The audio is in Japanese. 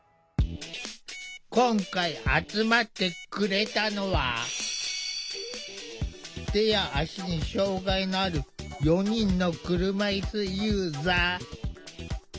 今回集まってくれたのは手や足に障害のある４人の車いすユーザー。